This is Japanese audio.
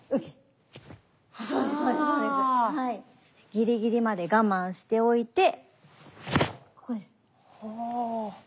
ギリギリまで我慢しておいてここです。